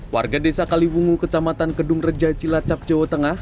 warga desa kalibungu kecamatan kedung reja cilacap jawa tengah